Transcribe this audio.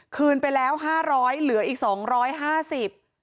คืนไปแล้ว๕๐๐บาทเหลืออีก๒๕๐บาท